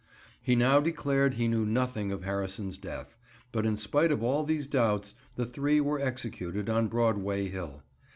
He now declared he knew nothing of Harrison's death; but in spite of all these doubts, the three were executed, on Broadway Hill.